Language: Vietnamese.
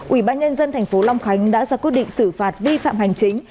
ủy ban nhân dân tp long khánh đã ra quyết định xử phạt vi phạm hành chính